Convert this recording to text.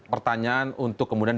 pertanyaan untuk kemudian